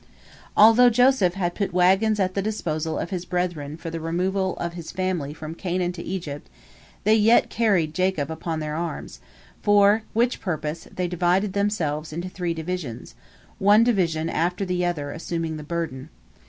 Although Joseph had put wagons at the disposal of his brethren for the removal of his family from Canaan to Egypt, they yet carried Jacob upon their arms, for which purpose they divided themselves into three divisions, one division after the other assuming the burden.